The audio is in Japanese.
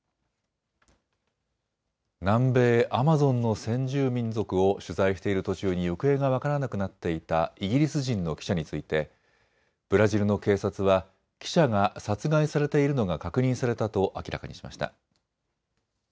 南米・アマゾンの先住民族を取材している途中に行方が分からなくなっていたイギリス人の記者についてブラジルの警察は記者が殺害されているのが確認されたと明らかにしました。